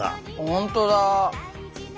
本当だ！